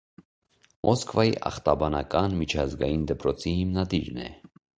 Մոսկվայի ախտաբանական միջազգային դպրոցի հիմնադիրն է։